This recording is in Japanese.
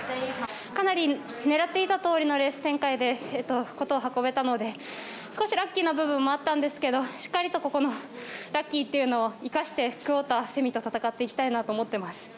かなり狙っていたとおりのレース展開でことを運べたので少しラッキーな部分もあったんですけどしっかりとここもラッキーというのを生かしてクオーター、セミと戦っていきたいと思っています。